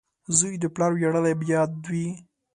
• زوی د پلار ویاړلی یاد وي.